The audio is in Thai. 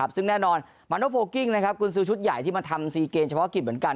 ซึ่งแน่นอนมาโนโพลกิ้งกุญซื้อชุดใหญ่ที่มาทำซีเกมเฉพาะกิจเหมือนกัน